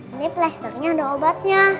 ini plasternya ada obatnya